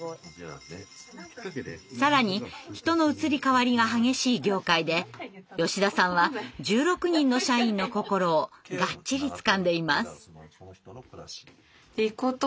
更に人の移り変わりが激しい業界で吉田さんは１６人の社員の心をガッチリつかんでいます。